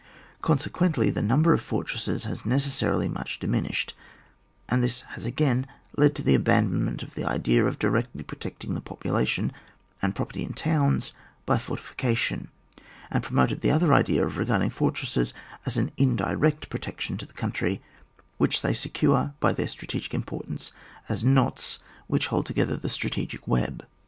Consequently the number of fortress es has necessarily much diminished, and this has again led to the abandonment of the idea of directly protecting the popu lation and property in towns by fortifi cations, and promoted the other idea of regarding the fortresses as an indirect pro tection to the country, which they secure by their strategic importance as knots which hold together the strategic web.